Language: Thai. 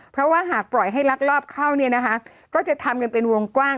เพราะว่าหากปล่อยให้ลักลอบเข้าเนี่ยนะคะก็จะทำกันเป็นวงกว้าง